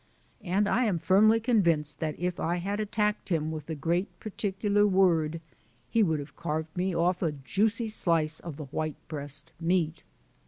And I am firmly convinced that if I had attacked him with the Great Particular Word he would have carved me off a juicy slice of the white breast meat.